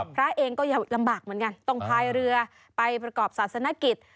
พระเองก็ลำบากเหมือนกันต้องพายเรือไปประกอบศาสนกิจ